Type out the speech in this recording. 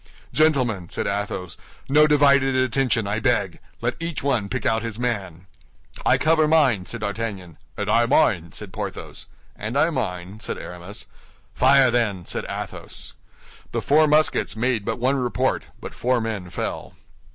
"Gentlemen," said Athos, "no divided attention, I beg; let each one pick out his man." "I cover mine," said D'Artagnan. "And I mine," said Porthos. "And I idem," said Aramis. "Fire, then," said Athos. The four muskets made but one report, but four men fell.